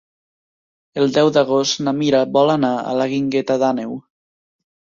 El deu d'agost na Mira vol anar a la Guingueta d'Àneu.